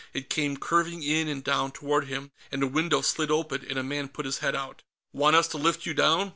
It came curving in and down toward him, and a window slid open and a man put his head out. "Want us to lift you down?"